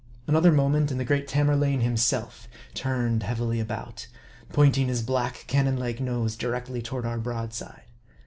Another moment, and the great Tamerlane himself turned heavily about ; pointing his black, cannon like nose directly toward our broadside.